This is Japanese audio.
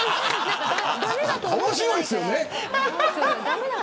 面白いですよね。